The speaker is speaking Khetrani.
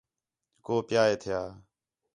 کُو پِیا ہے تھا